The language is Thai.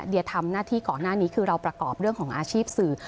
เดียทำหน้าที่ก่อนหน้านี้คือเราประกอบเรื่องของอาชีพสื่อ